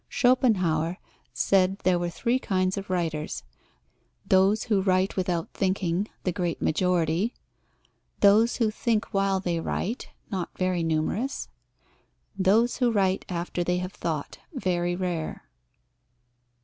Schopenhauer said there were three kinds of writers those who write without thinking, the great majority; those who think while they write, not very numerous; those who write after they have thought, very rare.